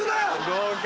合格。